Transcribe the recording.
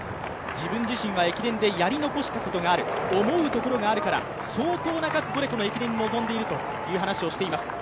自分自身は駅伝でやり残したことがある、思うところがあるから相当な覚悟で駅伝に臨んでいると話しています。